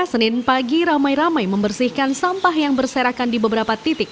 senin pagi ramai ramai membersihkan sampah yang berserakan di beberapa titik